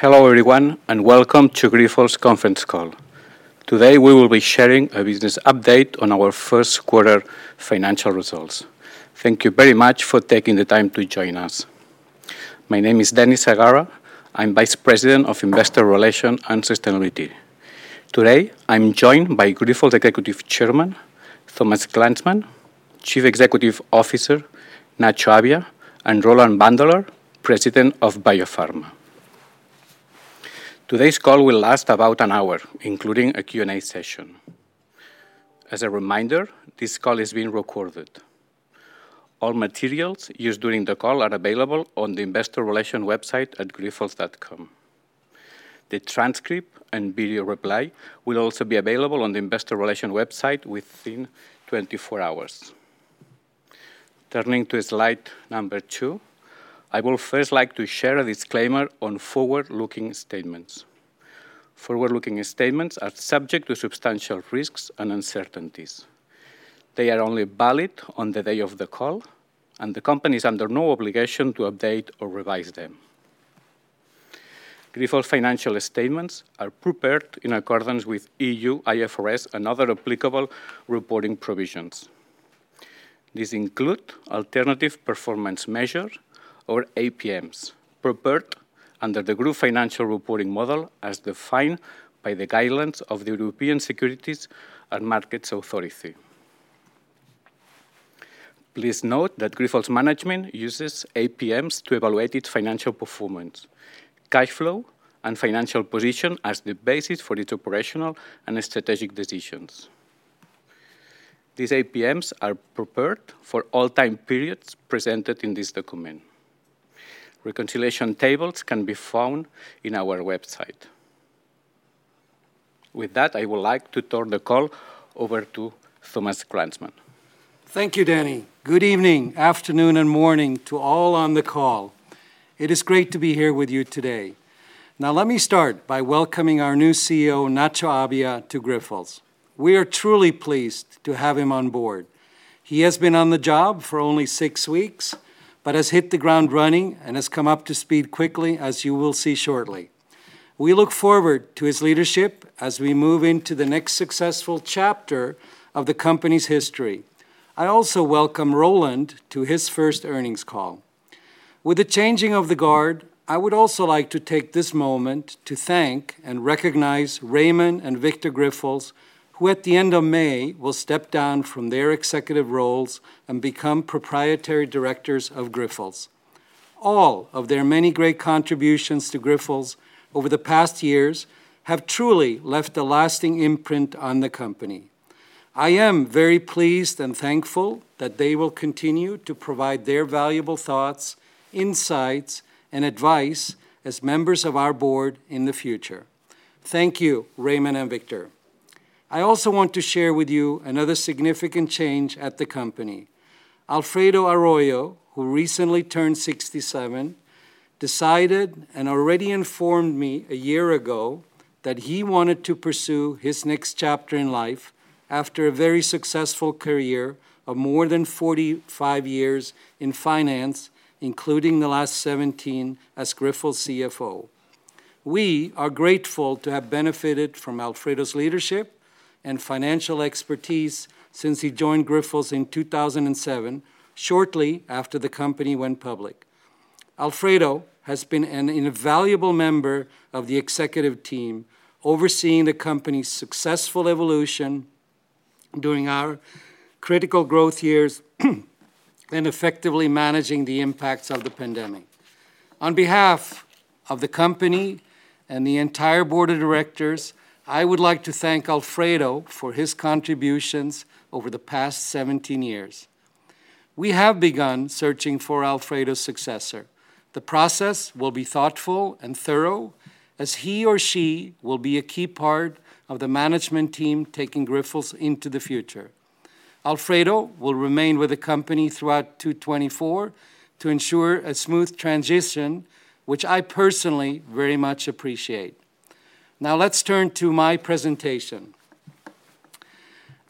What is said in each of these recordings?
Hello everyone and welcome to Grifols Conference Call. Today we will be sharing a business update on our first quarter financial results. Thank you very much for taking the time to join us. My name is Daniel Segarra, I'm Vice President of Investor Relations and Sustainability. Today I'm joined by Grifols Executive Chairman Thomas Glanzmann, Chief Executive Officer Nacho Abia, and Roland Wandeler, President of BioPharma. Today's call will last about an hour, including a Q&A session. As a reminder, this call is being recorded. All materials used during the call are available on the investor relations website at grifols.com. The transcript and video replay will also be available on the investor relations website within 24 hours. Turning to slide number two, I will first like to share a disclaimer on forward-looking statements. Forward-looking statements are subject to substantial risks and uncertainties. They are only valid on the day of the call, and the company is under no obligation to update or revise them. Grifols financial statements are prepared in accordance with E.U., IFRS, and other applicable reporting provisions. These include alternative performance measures, or APMs, prepared under the group financial reporting model as defined by the guidelines of the European Securities and Markets Authority. Please note that Grifols Management uses APMs to evaluate its financial performance, cash flow, and financial position as the basis for its operational and strategic decisions. These APMs are prepared for all time periods presented in this document. Reconciliation tables can be found in our website. With that, I would like to turn the call over to Thomas Glanzmann. Thank you, Danny. Good evening, afternoon, and morning to all on the call. It is great to be here with you today. Now let me start by welcoming our new CEO, Nacho Abia, to Grifols. We are truly pleased to have him on board. He has been on the job for only six weeks, but has hit the ground running and has come up to speed quickly, as you will see shortly. We look forward to his leadership as we move into the next successful chapter of the company's history. I also welcome Roland to his first earnings call. With the changing of the guard, I would also like to take this moment to thank and recognize Raimon and Victor Grifols, who at the end of May will step down from their executive roles and become proprietary directors of Grifols. All of their many great contributions to Grifols over the past years have truly left a lasting imprint on the company. I am very pleased and thankful that they will continue to provide their valuable thoughts, insights, and advice as members of our board in the future. Thank you, Raimon and Victor. I also want to share with you another significant change at the company. Alfredo Arroyo, who recently turned 67, decided and already informed me a year ago that he wanted to pursue his next chapter in life after a very successful career of more than 45 years in finance, including the last 17 as Grifols CFO. We are grateful to have benefited from Alfredo's leadership and financial expertise since he joined Grifols in 2007, shortly after the company went public. Alfredo has been an invaluable member of the executive team overseeing the company's successful evolution during our critical growth years and effectively managing the impacts of the pandemic. On behalf of the company and the entire board of directors, I would like to thank Alfredo for his contributions over the past 17 years. We have begun searching for Alfredo's successor. The process will be thoughtful and thorough, as he or she will be a key part of the management team taking Grifols into the future. Alfredo will remain with the company throughout 2024 to ensure a smooth transition, which I personally very much appreciate. Now let's turn to my presentation.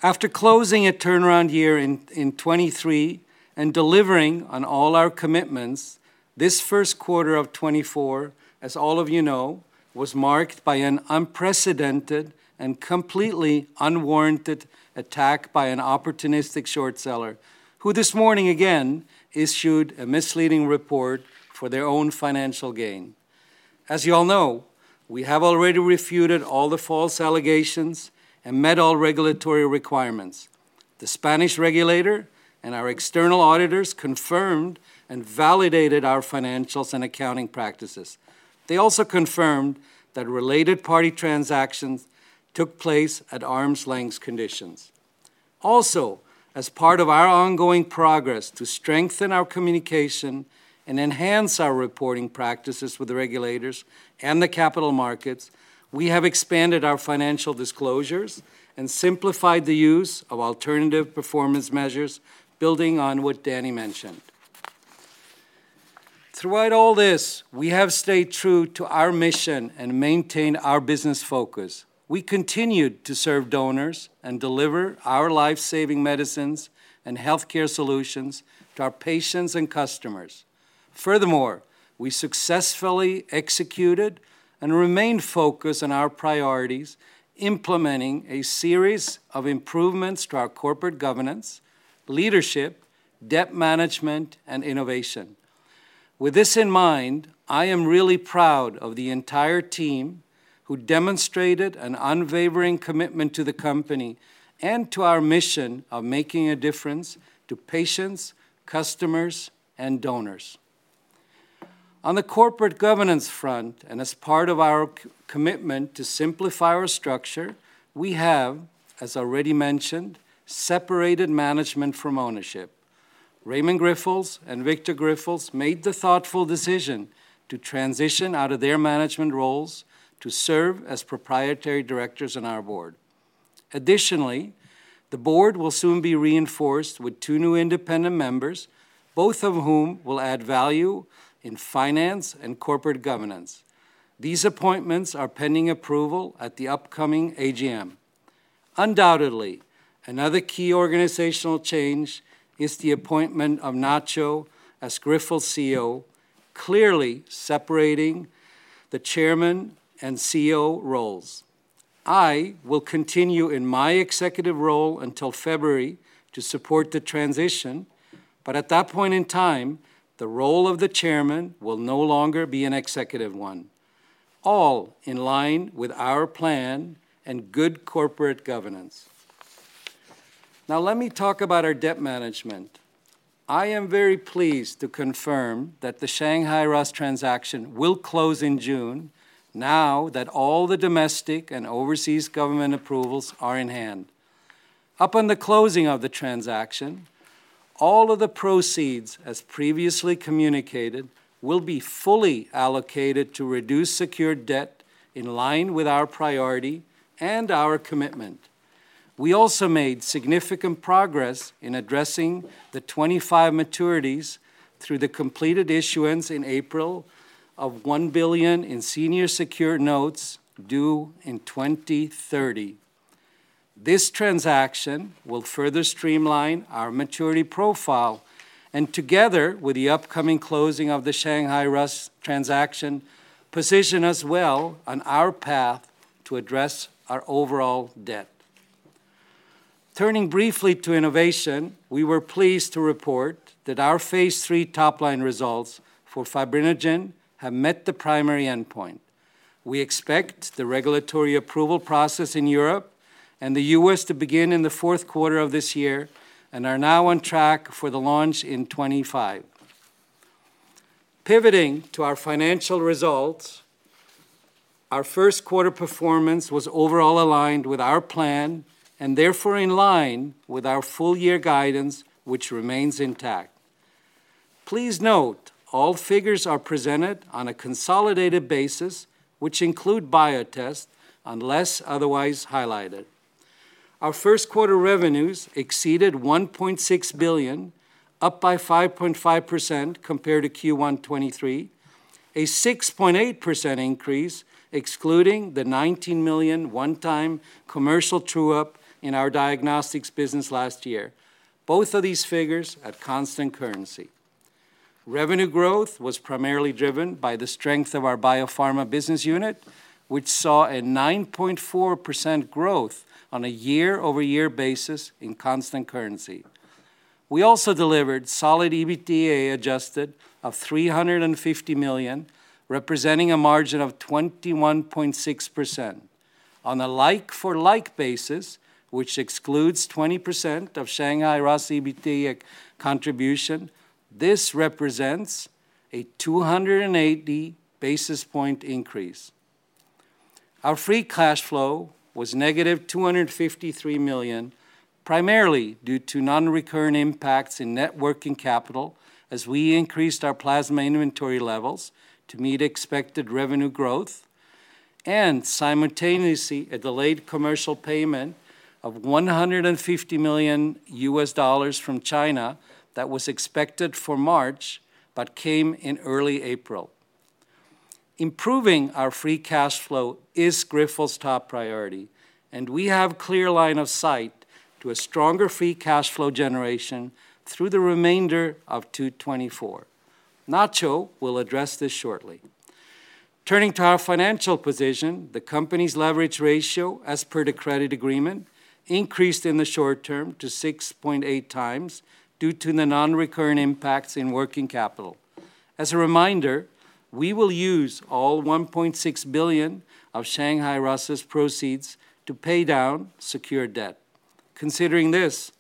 After closing a turnaround year in 2023 and delivering on all our commitments, this first quarter of 2024, as all of you know, was marked by an unprecedented and completely unwarranted attack by an opportunistic short seller, who this morning again issued a misleading report for their own financial gain. As you all know, we have already refuted all the false allegations and met all regulatory requirements. The Spanish regulator and our external auditors confirmed and validated our financials and accounting practices. They also confirmed that related party transactions took place at arm's length conditions. Also, as part of our ongoing progress to strengthen our communication and enhance our reporting practices with the regulators and the capital markets, we have expanded our financial disclosures and simplified the use of alternative performance measures, building on what Danny mentioned. Throughout all this, we have stayed true to our mission and maintained our business focus. We continued to serve donors and deliver our life-saving medicines and healthcare solutions to our patients and customers. Furthermore, we successfully executed and remained focused on our priorities, implementing a series of improvements to our corporate governance, leadership, debt management, and innovation. With this in mind, I am really proud of the entire team who demonstrated an unwavering commitment to the company and to our mission of making a difference to patients, customers, and donors. On the corporate governance front, and as part of our commitment to simplify our structure, we have, as already mentioned, separated management from ownership. Raimon Grifols and Victor Grifols made the thoughtful decision to transition out of their management roles to serve as proprietary directors on our board. Additionally, the board will soon be reinforced with two new independent members, both of whom will add value in finance and corporate governance. These appointments are pending approval at the upcoming AGM. Undoubtedly, another key organizational change is the appointment of Nacho as Grifols CEO, clearly separating the chairman and CEO roles. I will continue in my executive role until February to support the transition, but at that point in time, the role of the chairman will no longer be an executive one, all in line with our plan and good corporate governance. Now let me talk about our debt management. I am very pleased to confirm that the Shanghai RAAS transaction will close in June, now that all the domestic and overseas government approvals are in hand. Upon the closing of the transaction, all of the proceeds, as previously communicated, will be fully allocated to reduce secured debt in line with our priority and our commitment. We also made significant progress in addressing the 2025 maturities through the completed issuance in April of $1 billion in senior secured notes due in 2030. This transaction will further streamline our maturity profile and, together with the upcoming closing of the Shanghai RAAS transaction, position us well on our path to address our overall debt. Turning briefly to innovation, we were pleased to report that our phase 3 top-line results for fibrinogen have met the primary endpoint. We expect the regulatory approval process in Europe and the U.S. to begin in the fourth quarter of this year and are now on track for the launch in 2025. Pivoting to our financial results, our first quarter performance was overall aligned with our plan and therefore in line with our full-year guidance, which remains intact. Please note all figures are presented on a consolidated basis, which include Biotest unless otherwise highlighted. Our first quarter revenues exceeded $1.6 billion, up by 5.5% compared to Q1 2023, a 6.8% increase excluding the $19 million one-time commercial true-up in our diagnostics business last year, both of these figures at constant currency. Revenue growth was primarily driven by the strength of our BioPharma business unit, which saw a 9.4% growth on a year-over-year basis in constant currency. We also delivered solid EBITDA adjusted of $350 million, representing a margin of 21.6%. On a like-for-like basis, which excludes 20% of Shanghai RAAS EBITDA contribution, this represents a 280 basis point increase. Our free cash flow was negative $253 million, primarily due to non-recurring impacts in net working capital as we increased our plasma inventory levels to meet expected revenue growth, and simultaneously a delayed commercial payment of $150 million from China that was expected for March but came in early April. Improving our free cash flow is Grifols' top priority, and we have a clear line of sight to a stronger free cash flow generation through the remainder of 2024. Nacho will address this shortly. Turning to our financial position, the company's leverage ratio, as per the credit agreement, increased in the short term to 6.8 times due to the non-recurring impacts in working capital. As a reminder, we will use all $1.6 billion of Shanghai RAAS's proceeds to pay down secured debt. Considering this,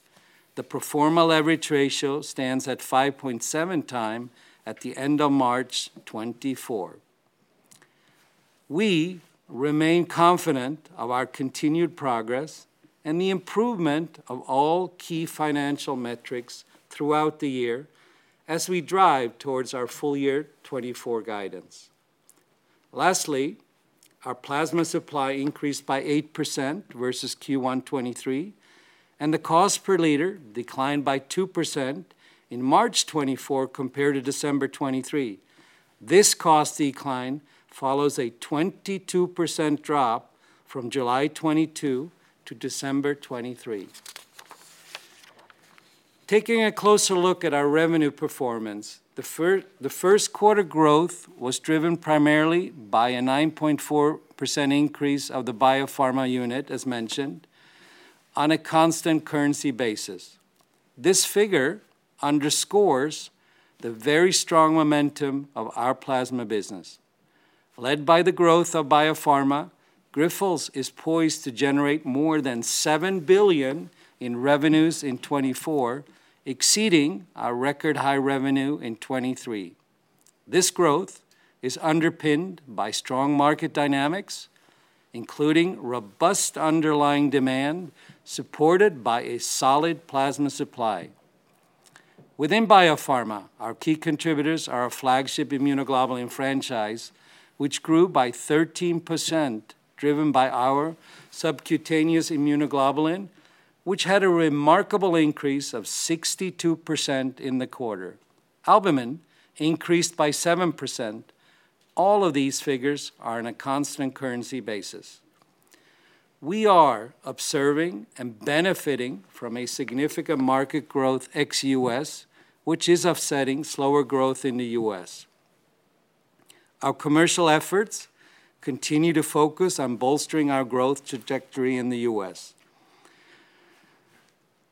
the pro forma leverage ratio stands at 5.7x at the end of March 2024. We remain confident of our continued progress and the improvement of all key financial metrics throughout the year as we drive towards our full-year 2024 guidance. Lastly, our plasma supply increased by 8% versus Q1 2023, and the cost per liter declined by 2% in March 2024 compared to December 2023. This cost decline follows a 22% drop from July 2022 to December 2023. Taking a closer look at our revenue performance, the first quarter growth was driven primarily by a 9.4% increase of the BioPharma unit, as mentioned, on a constant currency basis. This figure underscores the very strong momentum of our plasma business. Led by the growth of BioPharma, Grifols is poised to generate more than $7 billion in revenues in 2024, exceeding our record high revenue in 2023. This growth is underpinned by strong market dynamics, including robust underlying demand supported by a solid plasma supply. Within BioPharma, our key contributors are our flagship immunoglobulin franchise, which grew by 13%, driven by our subcutaneous immunoglobulin, which had a remarkable increase of 62% in the quarter. Albumin increased by 7%. All of these figures are on a constant currency basis. We are observing and benefiting from a significant market growth ex U.S., which is offsetting slower growth in the U.S. Our commercial efforts continue to focus on bolstering our growth trajectory in the U.S.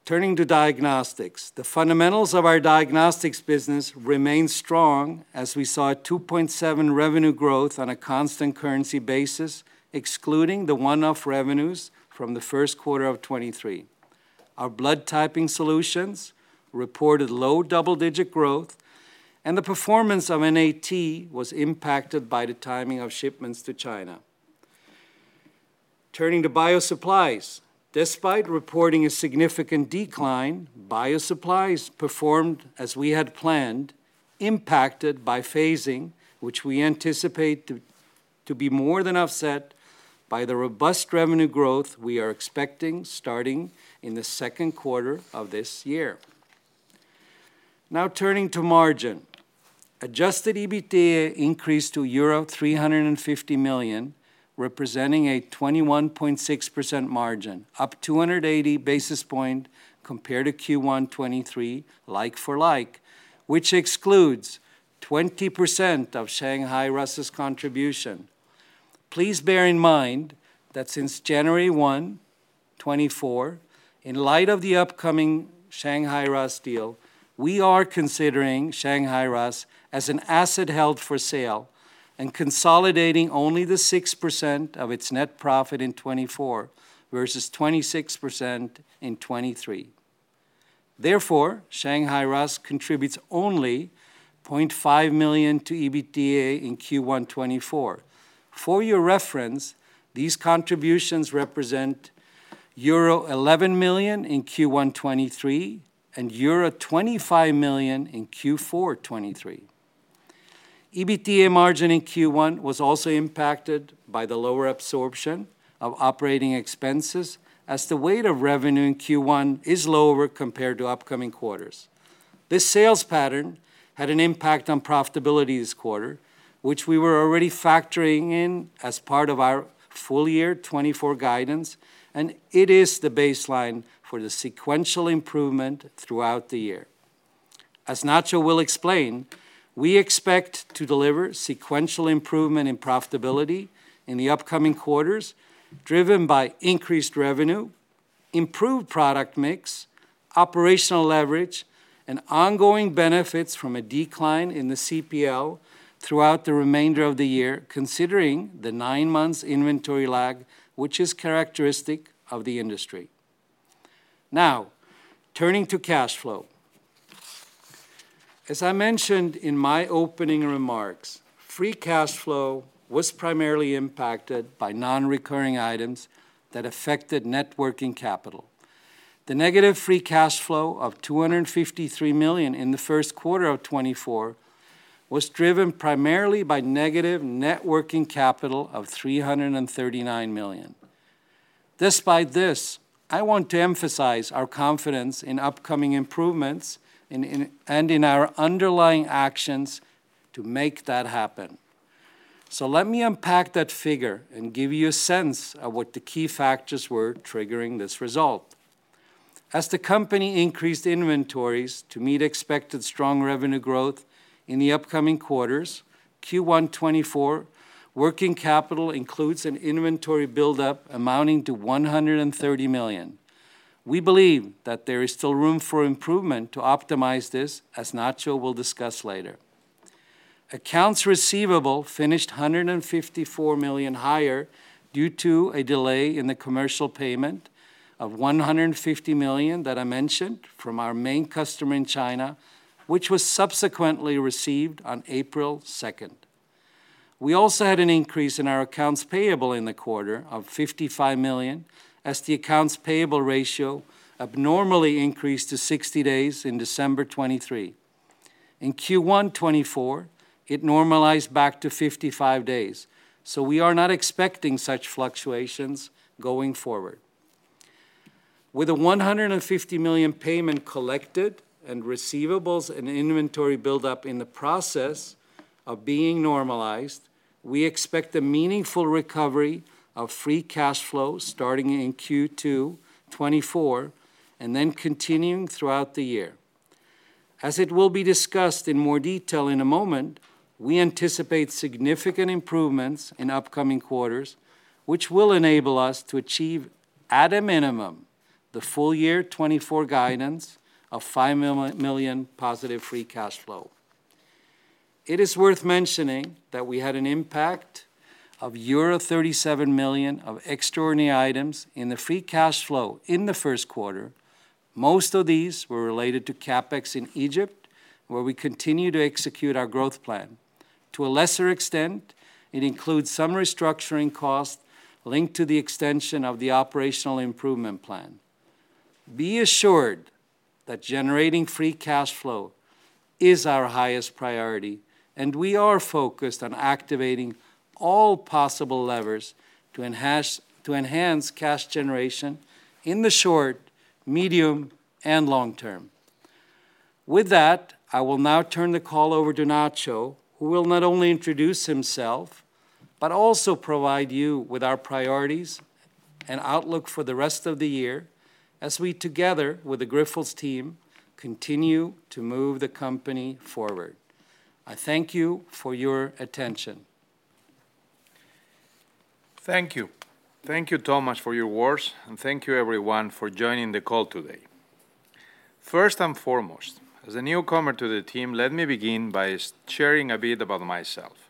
Turning to diagnostics, the fundamentals of our diagnostics business remain strong as we saw 2.7% revenue growth on a constant currency basis, excluding the one-off revenues from the first quarter of 2023. Our blood typing solutions reported low double-digit growth, and the performance of NAT was impacted by the timing of shipments to China. Turning to Bio Supplies, despite reporting a significant decline, Bio Supplies performed as we had planned, impacted by phasing, which we anticipate to be more than offset by the robust revenue growth we are expecting starting in the second quarter of this year. Now turning to margin, adjusted EBITDA increased to euro 350 million, representing a 21.6% margin, up 280 basis points compared to Q1 2023 like-for-like, which excludes 20% of Shanghai RAAS's contribution. Please bear in mind that since January 1, 2024, in light of the upcoming Shanghai RAAS deal, we are considering Shanghai RAAS as an asset held for sale and consolidating only the 6% of its net profit in 2024 versus 26% in 2023. Therefore, Shanghai RAAS contributes only $0.5 million to EBITDA in Q1 2024. For your reference, these contributions represent euro 11 million in Q1 2023 and euro 25 million in Q4 2023. EBITDA margin in Q1 was also impacted by the lower absorption of operating expenses as the weight of revenue in Q1 is lower compared to upcoming quarters. This sales pattern had an impact on profitability this quarter, which we were already factoring in as part of our full-year 2024 guidance, and it is the baseline for the sequential improvement throughout the year. As Nacho will explain, we expect to deliver sequential improvement in profitability in the upcoming quarters, driven by increased revenue, improved product mix, operational leverage, and ongoing benefits from a decline in the CPL throughout the remainder of the year, considering the nine months' inventory lag, which is characteristic of the industry. Now turning to cash flow. As I mentioned in my opening remarks, free cash flow was primarily impacted by non-recurring items that affected net working capital. The negative free cash flow of $253 million in the first quarter of 2024 was driven primarily by negative net working capital of $339 million. Despite this, I want to emphasize our confidence in upcoming improvements and in our underlying actions to make that happen. So let me unpack that figure and give you a sense of what the key factors were triggering this result. As the company increased inventories to meet expected strong revenue growth in the upcoming quarters, Q1 2024, working capital includes an inventory buildup amounting to $130 million. We believe that there is still room for improvement to optimize this, as Nacho will discuss later. Accounts receivable finished $154 million higher due to a delay in the commercial payment of $150 million that I mentioned from our main customer in China, which was subsequently received on April 2nd. We also had an increase in our accounts payable in the quarter of $55 million as the accounts payable ratio abnormally increased to 60 days in December 2023. In Q1 2024, it normalized back to 55 days, so we are not expecting such fluctuations going forward. With a $150 million payment collected and receivables and inventory buildup in the process of being normalized, we expect a meaningful recovery of free cash flow starting in Q2 2024 and then continuing throughout the year. As it will be discussed in more detail in a moment, we anticipate significant improvements in upcoming quarters, which will enable us to achieve, at a minimum, the full-year 2024 guidance of $5 million positive free cash flow. It is worth mentioning that we had an impact of euro 37 million of extraordinary items in the free cash flow in the first quarter. Most of these were related to CapEx in Egypt, where we continue to execute our growth plan. To a lesser extent, it includes some restructuring costs linked to the extension of the operational improvement plan. Be assured that generating free cash flow is our highest priority, and we are focused on activating all possible levers to enhance cash generation in the short, medium, and long term. With that, I will now turn the call over to Nacho, who will not only introduce himself but also provide you with our priorities and outlook for the rest of the year as we together with the Grifols team continue to move the company forward. I thank you for your attention. Thank you. Thank you, Thomas, for your words, and thank you, everyone, for joining the call today. First and foremost, as a newcomer to the team, let me begin by sharing a bit about myself.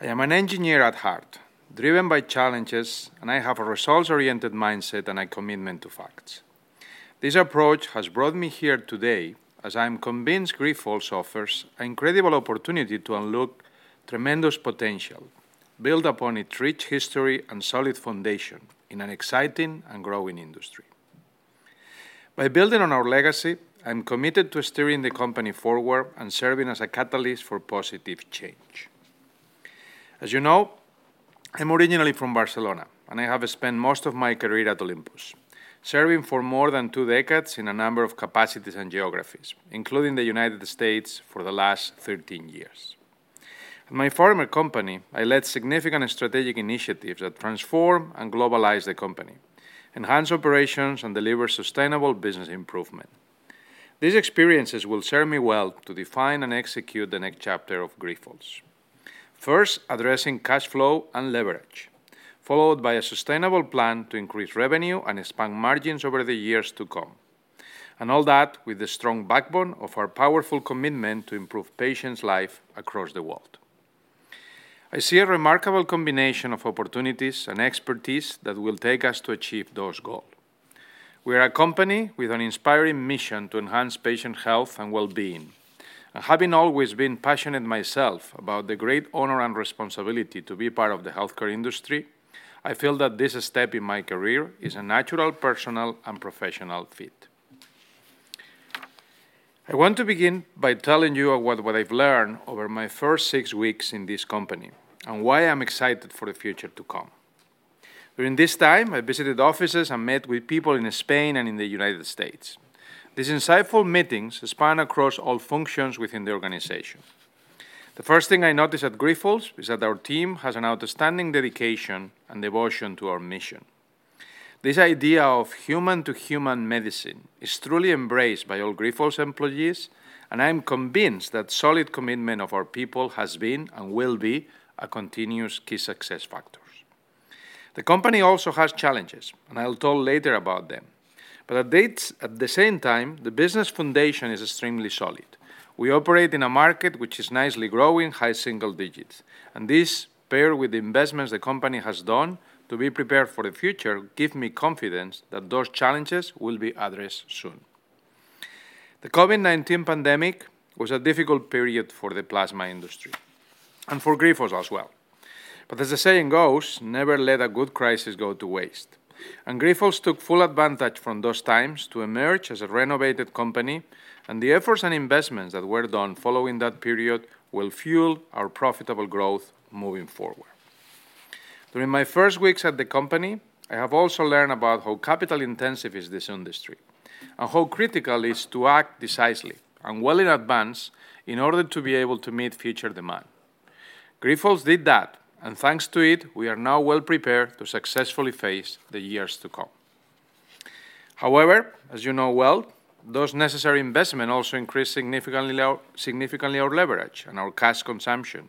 I am an engineer at heart, driven by challenges, and I have a results-oriented mindset and a commitment to facts. This approach has brought me here today as I am convinced Grifols offers an incredible opportunity to unlock tremendous potential, build upon its rich history, and solid foundation in an exciting and growing industry. By building on our legacy, I am committed to steering the company forward and serving as a catalyst for positive change. As you know, I am originally from Barcelona, and I have spent most of my career at Olympus, serving for more than two decades in a number of capacities and geographies, including the United States for the last 13 years. At my former company, I led significant strategic initiatives that transform and globalize the company, enhance operations, and deliver sustainable business improvement. These experiences will serve me well to define and execute the next chapter of Grifols, first addressing cash flow and leverage, followed by a sustainable plan to increase revenue and expand margins over the years to come, and all that with the strong backbone of our powerful commitment to improve patients' lives across the world. I see a remarkable combination of opportunities and expertise that will take us to achieve those goals. We are a company with an inspiring mission to enhance patient health and well-being. Having always been passionate myself about the great honor and responsibility to be part of the healthcare industry, I feel that this step in my career is a natural personal and professional fit. I want to begin by telling you about what I've learned over my first six weeks in this company and why I am excited for the future to come. During this time, I visited offices and met with people in Spain and in the United States. These insightful meetings span across all functions within the organization. The first thing I noticed at Grifols is that our team has an outstanding dedication and devotion to our mission. This idea of human-to-human medicine is truly embraced by all Grifols employees, and I am convinced that solid commitment of our people has been and will be a continuous key success factor. The company also has challenges, and I'll talk later about them. But at the same time, the business foundation is extremely solid. We operate in a market which is nicely growing, high single digits%, and this, paired with investments the company has done to be prepared for the future, gives me confidence that those challenges will be addressed soon. The COVID-19 pandemic was a difficult period for the plasma industry and for Grifols as well. But as the saying goes, never let a good crisis go to waste. Grifols took full advantage from those times to emerge as a renovated company, and the efforts and investments that were done following that period will fuel our profitable growth moving forward. During my first weeks at the company, I have also learned about how capital-intensive this industry is and how critical it is to act decisively and well in advance in order to be able to meet future demand. Grifols did that, and thanks to it, we are now well prepared to successfully face the years to come. However, as you know well, those necessary investments also increase significantly our leverage and our cash consumption,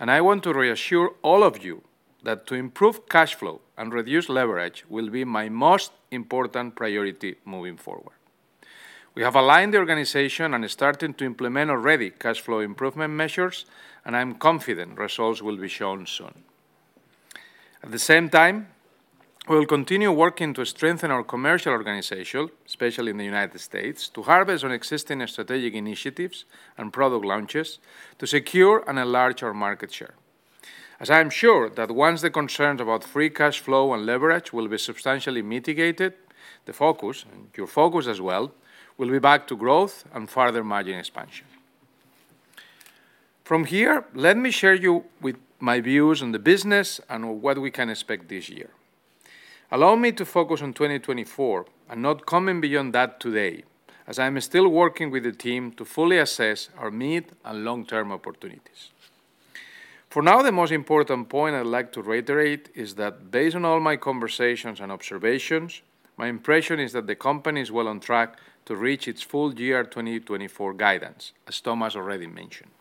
and I want to reassure all of you that to improve cash flow and reduce leverage will be my most important priority moving forward. We have aligned the organization and started to implement already cash flow improvement measures, and I am confident results will be shown soon. At the same time, we will continue working to strengthen our commercial organization, especially in the United States, to harvest on existing strategic initiatives and product launches to secure and enlarge our market share. As I am sure that once the concerns about free cash flow and leverage will be substantially mitigated, the focus and your focus as well will be back to growth and further margin expansion. From here, let me share with you my views on the business and what we can expect this year. Allow me to focus on 2024 and not comment beyond that today, as I am still working with the team to fully assess our mid- and long-term opportunities. For now, the most important point I'd like to reiterate is that, based on all my conversations and observations, my impression is that the company is well on track to reach its full year 2024 guidance, as Thomas already mentioned.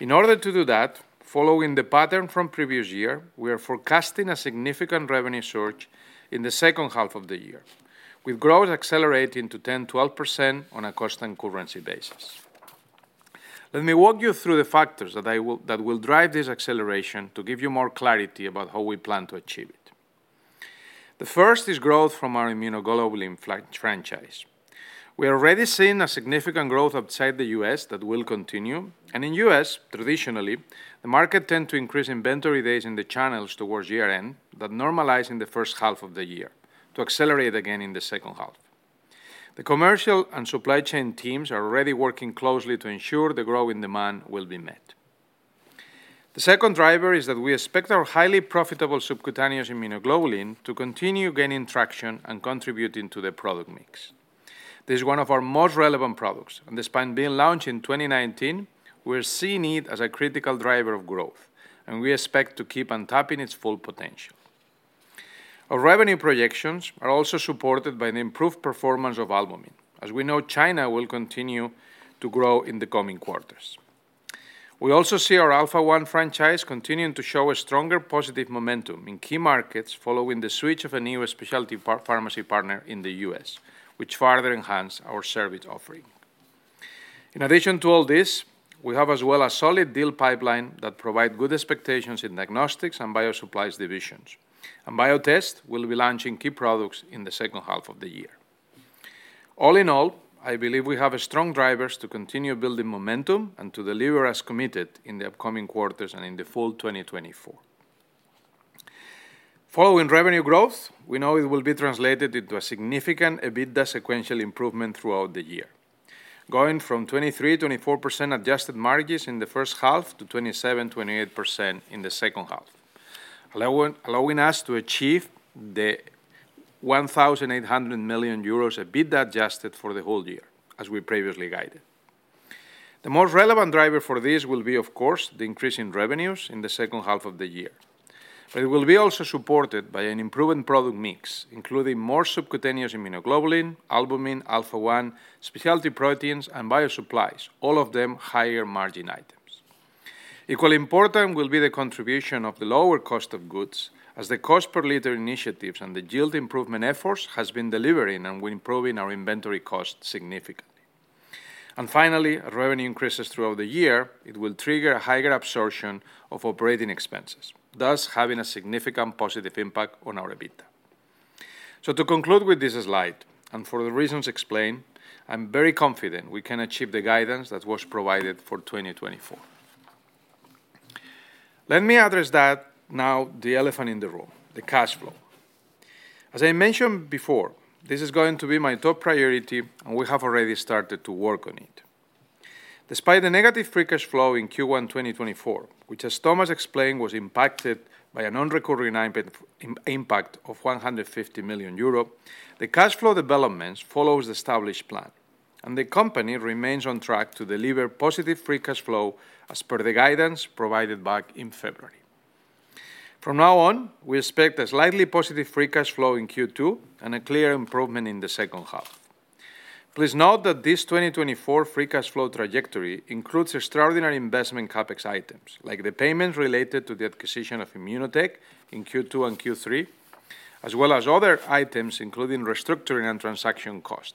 In order to do that, following the pattern from previous year, we are forecasting a significant revenue surge in the second half of the year, with growth accelerating to 10%-12% on a cost and currency basis. Let me walk you through the factors that will drive this acceleration to give you more clarity about how we plan to achieve it. The first is growth from our immunoglobulin franchise. We are already seeing a significant growth outside the U.S. that will continue. In the U.S., traditionally, the market tends to increase inventory days in the channels towards year-end that normalize in the first half of the year to accelerate again in the second half. The commercial and supply chain teams are already working closely to ensure the growing demand will be met. The second driver is that we expect our highly profitable subcutaneous immunoglobulin to continue gaining traction and contributing to the product mix. This is one of our most relevant products, and despite being launched in 2019, we are seeing it as a critical driver of growth, and we expect to keep untapping its full potential. Our revenue projections are also supported by the improved performance of albumin, as we know China will continue to grow in the coming quarters. We also see our Alpha-1 franchise continuing to show a stronger positive momentum in key markets following the switch of a new specialty pharmacy partner in the U.S., which further enhanced our service offering. In addition to all this, we have as well a solid deal pipeline that provides good expectations in diagnostics and Bio Supplies divisions, and Biotest will be launching key products in the second half of the year. All in all, I believe we have strong drivers to continue building momentum and to deliver as committed in the upcoming quarters and in the full 2024. Following revenue growth, we know it will be translated into a significant EBITDA sequential improvement throughout the year, going from 23%-24% adjusted margins in the first half to 27%-28% in the second half, allowing us to achieve the 1,800 million euros adjusted EBITDA for the whole year, as we previously guided. The most relevant driver for this will be, of course, the increase in revenues in the second half of the year. But it will be also supported by an improved product mix, including more subcutaneous immunoglobulin, albumin, Alpha-1, specialty proteins, and Bio Supplies, all of them higher-margin items. Equally important will be the contribution of the lower cost of goods, as the cost per liter initiatives and the yield improvement efforts have been delivering and improving our inventory costs significantly. Finally, as revenue increases throughout the year, it will trigger a higher absorption of operating expenses, thus having a significant positive impact on our EBITDA. To conclude with this slide and for the reasons explained, I'm very confident we can achieve the guidance that was provided for 2024. Let me address now the elephant in the room, the cash flow. As I mentioned before, this is going to be my top priority, and we have already started to work on it. Despite the negative free cash flow in Q1 2024, which, as Thomas explained, was impacted by a nonrecurring impact of 150 million euro, the cash flow developments follow the established plan, and the company remains on track to deliver positive free cash flow as per the guidance provided back in February. From now on, we expect a slightly positive free cash flow in Q2 and a clear improvement in the second half. Please note that this 2024 free cash flow trajectory includes extraordinary investment CapEx items, like the payments related to the acquisition of ImmunoTek in Q2 and Q3, as well as other items including restructuring and transaction costs,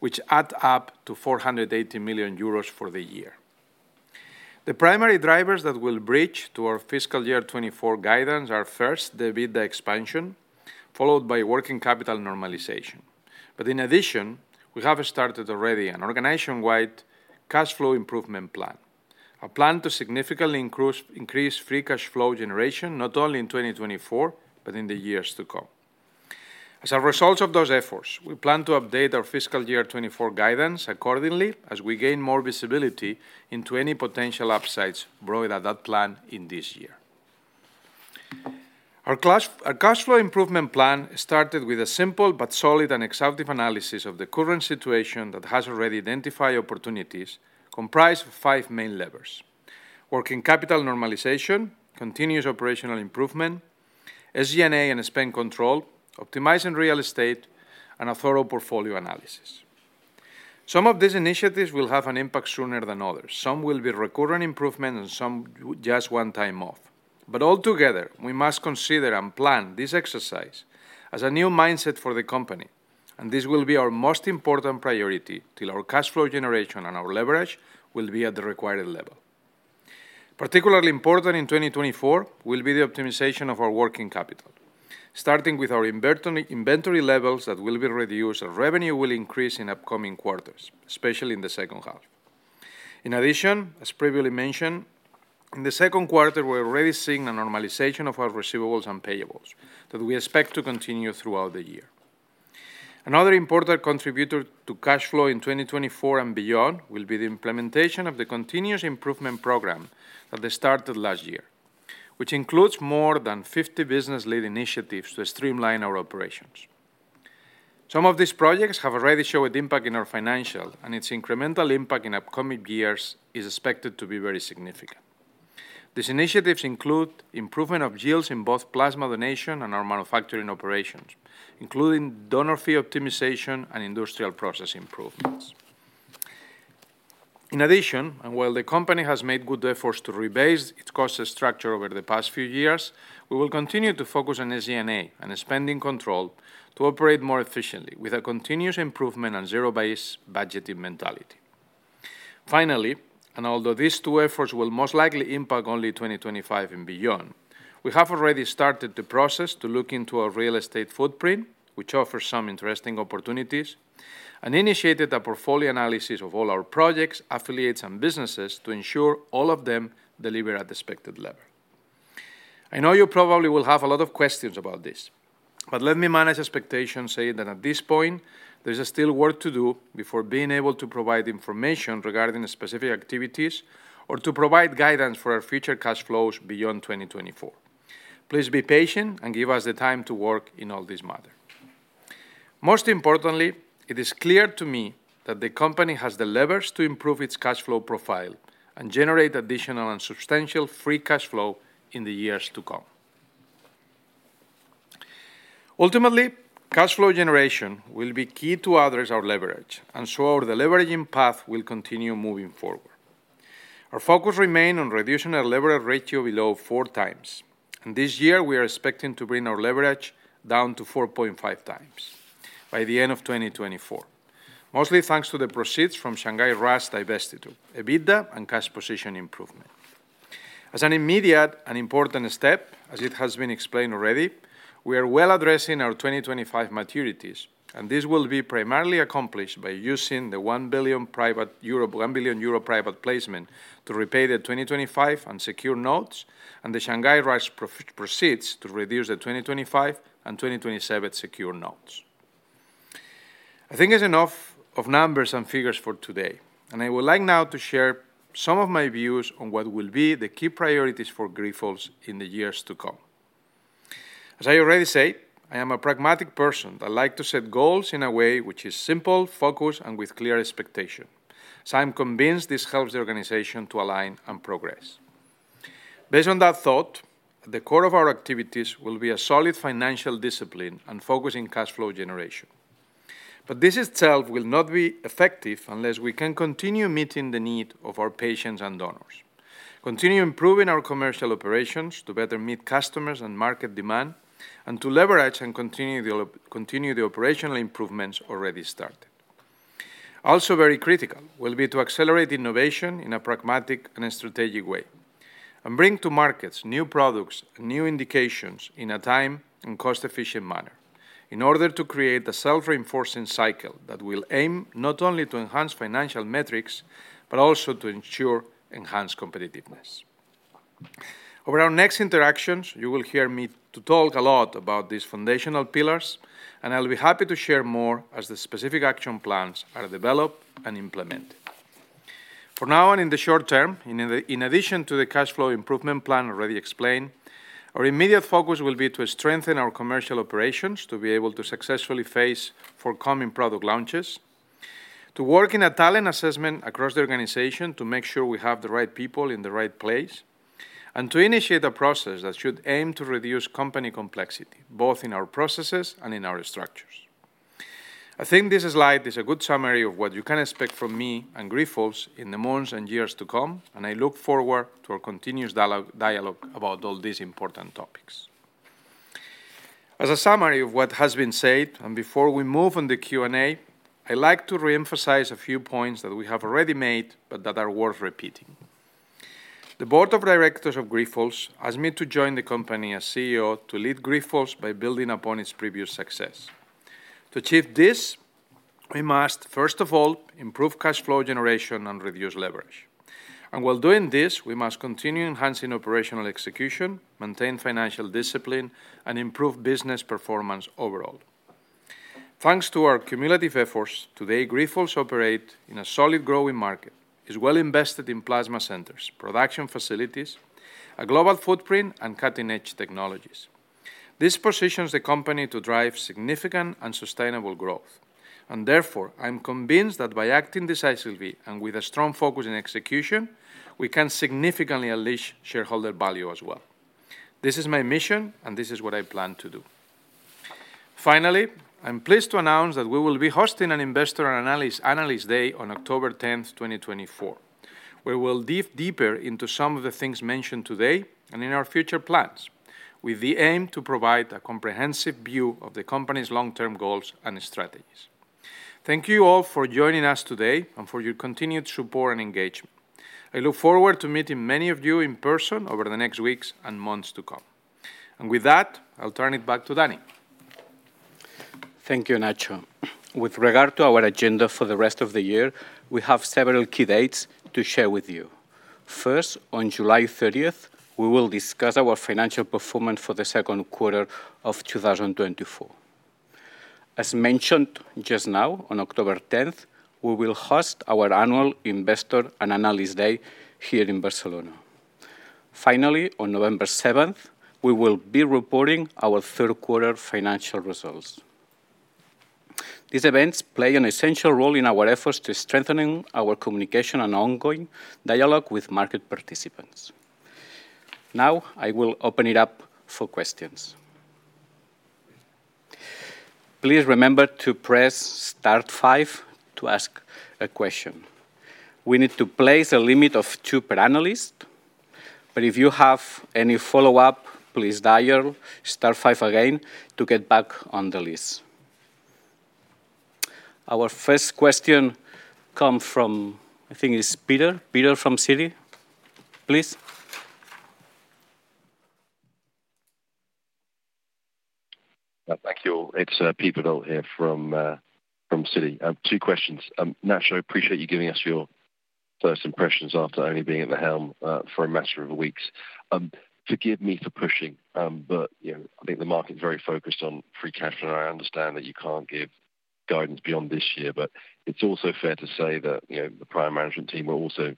which add up to 480 million euros for the year. The primary drivers that will bridge to our fiscal year 2024 guidance are, first, the EBITDA expansion, followed by working capital normalization. But in addition, we have started already an organization-wide cash flow improvement plan, a plan to significantly increase free cash flow generation not only in 2024 but in the years to come. As a result of those efforts, we plan to update our fiscal year 2024 guidance accordingly as we gain more visibility into any potential upsides brought by that plan in this year. Our cash flow improvement plan started with a simple but solid and exhaustive analysis of the current situation that has already identified opportunities, comprised of five main levers: working capital normalization, continuous operational improvement, SG&A and spend control, optimizing real estate, and a thorough portfolio analysis. Some of these initiatives will have an impact sooner than others. Some will be recurrent improvements, and some just one-time off. But altogether, we must consider and plan this exercise as a new mindset for the company, and this will be our most important priority till our cash flow generation and our leverage will be at the required level. Particularly important in 2024 will be the optimization of our working capital. Starting with our inventory levels that will be reduced, revenue will increase in upcoming quarters, especially in the second half. In addition, as previously mentioned, in the second quarter, we're already seeing a normalization of our receivables and payables that we expect to continue throughout the year. Another important contributor to cash flow in 2024 and beyond will be the implementation of the continuous improvement program that started last year, which includes more than 50 business-led initiatives to streamline our operations. Some of these projects have already shown an impact in our financials, and its incremental impact in upcoming years is expected to be very significant. These initiatives include improvement of yields in both plasma donation and our manufacturing operations, including donor fee optimization and industrial process improvements. In addition, and while the company has made good efforts to rebase its cost structure over the past few years, we will continue to focus on SG&A and spending control to operate more efficiently with a continuous improvement and zero-budgeting mentality. Finally, and although these two efforts will most likely impact only 2025 and beyond, we have already started the process to look into our real estate footprint, which offers some interesting opportunities, and initiated a portfolio analysis of all our projects, affiliates, and businesses to ensure all of them deliver at the expected level. I know you probably will have a lot of questions about this, but let me manage expectations saying that at this point, there is still work to do before being able to provide information regarding specific activities or to provide guidance for our future cash flows beyond 2024. Please be patient and give us the time to work in all this matter. Most importantly, it is clear to me that the company has the levers to improve its cash flow profile and generate additional and substantial free cash flow in the years to come. Ultimately, cash flow generation will be key to address our leverage, and so our leveraging path will continue moving forward. Our focus remains on reducing our leverage ratio below 4x, and this year, we are expecting to bring our leverage down to 4.5x by the end of 2024, mostly thanks to the proceeds from Shanghai RAAS divestiture, EBITDA, and cash position improvement. As an immediate and important step, as it has been explained already, we are well addressing our 2025 maturities, and this will be primarily accomplished by using the 1 billion euro private placement to repay the 2025 unsecured notes and the Shanghai RAAS proceeds to reduce the 2025 and 2027 secured notes. I think it's enough of numbers and figures for today, and I would like now to share some of my views on what will be the key priorities for Grifols in the years to come. As I already said, I am a pragmatic person that likes to set goals in a way which is simple, focused, and with clear expectation, as I am convinced this helps the organization to align and progress. Based on that thought, the core of our activities will be a solid financial discipline and focus in cash flow generation. But this itself will not be effective unless we can continue meeting the need of our patients and donors, continue improving our commercial operations to better meet customers and market demand, and to leverage and continue the operational improvements already started. Also very critical will be to accelerate innovation in a pragmatic and strategic way and bring to markets new products and new indications in a time and cost-efficient manner in order to create a self-reinforcing cycle that will aim not only to enhance financial metrics but also to ensure enhanced competitiveness. Over our next interactions, you will hear me talk a lot about these foundational pillars, and I'll be happy to share more as the specific action plans are developed and implemented. For now and in the short term, in addition to the cash flow improvement plan already explained, our immediate focus will be to strengthen our commercial operations to be able to successfully face forthcoming product launches, to work in a talent assessment across the organization to make sure we have the right people in the right place, and to initiate a process that should aim to reduce company complexity both in our processes and in our structures. I think this slide is a good summary of what you can expect from me and Grifols in the months and years to come, and I look forward to our continuous dialogue about all these important topics. As a summary of what has been said, and before we move on to Q&A, I'd like to reemphasize a few points that we have already made but that are worth repeating. The board of directors of Grifols asked me to join the company as CEO to lead Grifols by building upon its previous success. To achieve this, we must, first of all, improve cash flow generation and reduce leverage. And while doing this, we must continue enhancing operational execution, maintain financial discipline, and improve business performance overall. Thanks to our cumulative efforts, today, Grifols operates in a solid growing market, is well invested in plasma centers, production facilities, a global footprint, and cutting-edge technologies. This positions the company to drive significant and sustainable growth, and therefore, I'm convinced that by acting decisively and with a strong focus in execution, we can significantly unleash shareholder value as well. This is my mission, and this is what I plan to do. Finally, I'm pleased to announce that we will be hosting an Investor Analyst Day on October 10th, 2024, where we'll dive deeper into some of the things mentioned today and in our future plans with the aim to provide a comprehensive view of the company's long-term goals and strategies. Thank you all for joining us today and for your continued support and engagement. I look forward to meeting many of you in person over the next weeks and months to come. With that, I'll turn it back to Danny. Thank you, Nacho. With regard to our agenda for the rest of the year, we have several key dates to share with you. First, on July 30th, we will discuss our financial performance for the second quarter of 2024. As mentioned just now, on October 10th, we will host our annual Investor and Analyst Day here in Barcelona. Finally, on November 7th, we will be reporting our third quarter financial results. These events play an essential role in our efforts to strengthen our communication and ongoing dialogue with market participants. Now, I will open it up for questions. Please remember to press star 5 to ask a question. We need to place a limit of two per analyst, but if you have any follow-up, please dial star 5 again to get back on the list. Our first question comes from, I think it's Peter. Peter from Citi, please. Thank you. It's Peter Verdult here from Citi. Two questions. Nacho, appreciate you giving us your first impressions after only being at the helm for a matter of weeks. Forgive me for pushing, but I think the market's very focused on free cash flow, and I understand that you can't give guidance beyond this year, but it's also fair to say that the prior management team were also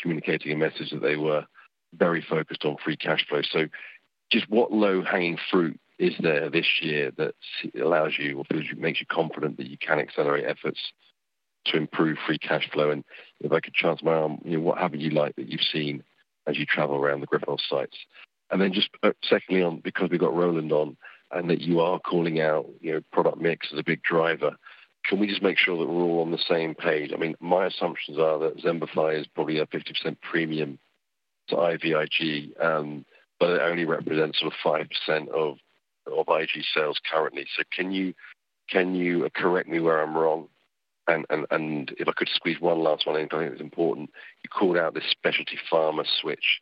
communicating a message that they were very focused on free cash flow. So just what low-hanging fruit is there this year that allows you or makes you confident that you can accelerate efforts to improve free cash flow? And if I could chance my arm, what have you liked that you've seen as you travel around the Grifols sites? And then just secondly, because we've got Roland on and that you are calling out product mix as a big driver, can we just make sure that we're all on the same page? I mean, my assumptions are that Xembify is probably a 50% premium to IVIG, but it only represents sort of 5% of IG sales currently. So can you correct me where I'm wrong? And if I could squeeze one last one in because I think it's important, you called out this specialty pharma switch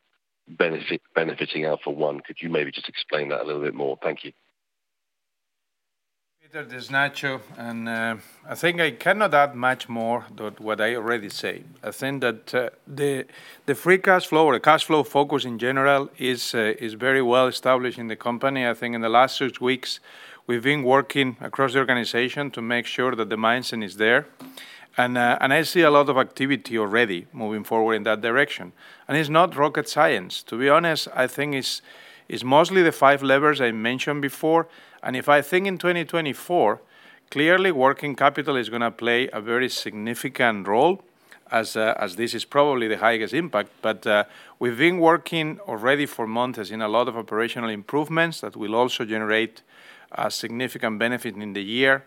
benefiting Alpha-1. Could you maybe just explain that a little bit more? Thank you. Peter, this is Nacho, and I think I cannot add much more to what I already said. I think that the free cash flow or the cash flow focus in general is very well established in the company. I think in the last six weeks, we've been working across the organization to make sure that the mindset is there, and I see a lot of activity already moving forward in that direction. It's not rocket science. To be honest, I think it's mostly the five levers I mentioned before. If I think in 2024, clearly, working capital is going to play a very significant role as this is probably the highest impact. But we've been working already for months and seen a lot of operational improvements that will also generate a significant benefit in the year.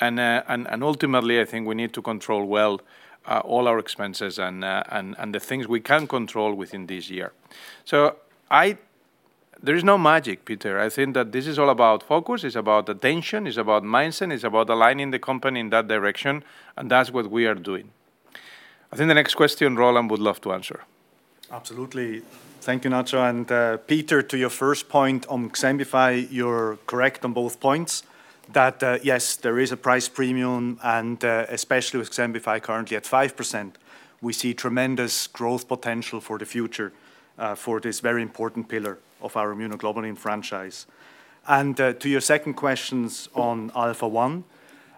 Ultimately, I think we need to control well all our expenses and the things we can control within this year. So there is no magic, Peter. I think that this is all about focus. It's about attention. It's about mindset. It's about aligning the company in that direction, and that's what we are doing. I think the next question, Roland, would love to answer. Absolutely. Thank you, Nacho. And Peter, to your first point on Xembify, you're correct on both points that, yes, there is a price premium, and especially with Xembify currently at 5%, we see tremendous growth potential for the future for this very important pillar of our immunoglobulin franchise. And to your second questions on Alpha-1,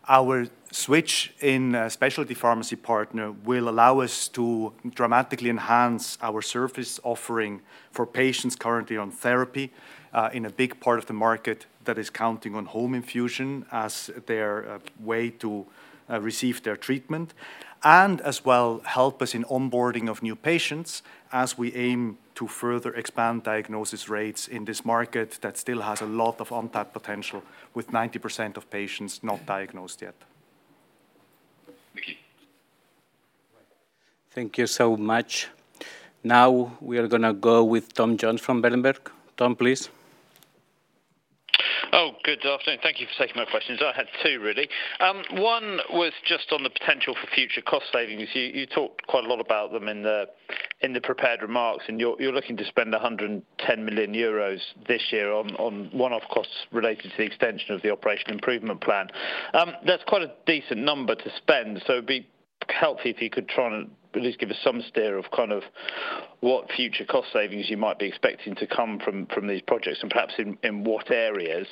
our switch in specialty pharmacy partner will allow us to dramatically enhance our service offering for patients currently on therapy in a big part of the market that is counting on home infusion as their way to receive their treatment and as well help us in onboarding of new patients as we aim to further expand diagnosis rates in this market that still has a lot of untapped potential with 90% of patients not diagnosed yet. Thank you. Thank you so much. Now, we are going to go with Tom Jones from Berenberg. Tom, please. Oh, good afternoon. Thank you for taking my questions. I had two, really. One was just on the potential for future cost savings. You talked quite a lot about them in the prepared remarks, and you're looking to spend 110 million euros this year on one-off costs related to the extension of the operational improvement plan. That's quite a decent number to spend, so it'd be helpful if you could try and at least give us some steer of kind of what future cost savings you might be expecting to come from these projects and perhaps in what areas.